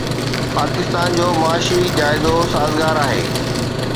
پاڪستان جو معاشي جائزو سازگار آهي